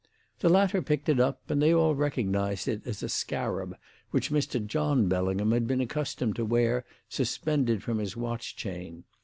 "The latter picked it up, and they all recognised it as a scarab which Mr. John Bellingham had been accustomed to wear suspended from his watch chain.